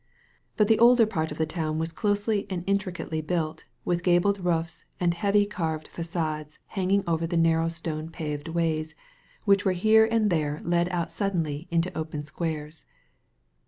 But the older part of the town was closely and intricately built, with gabled roofs and heavy carved facades hanging over the narrow stone paved ways, which here and there led out suddenly into open squares.